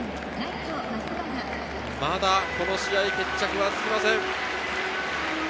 まだこの試合、決着はつきません。